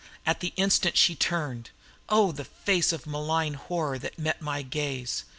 At the instant she turned. O the face of malign horror that met my gaze!